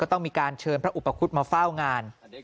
ต้องมีการเชิญพระอุปคุฎมาเฝ้างาน